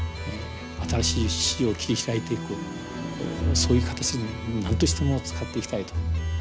新しい市場を切り開いていくそういう形に何としても使っていきたいと。